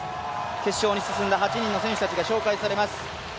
決勝に進んだ８人の選手たちが紹介されます。